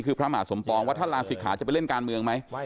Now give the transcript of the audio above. คือพระหมาศมพรวงศ์ว่าท่านหลานสิทธิ์ขาจะไปเล่นการเมืองไหม